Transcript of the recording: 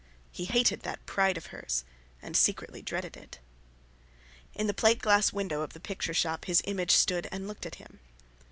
He hated that pride of hers, and secretly dreaded it. In the plate glass window of the picture shop his image stood and looked at him.